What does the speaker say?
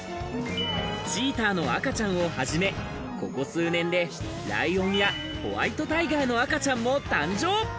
チーターの赤ちゃんをはじめ、ここ数年でライオンやホワイトタイガーの赤ちゃんも誕生。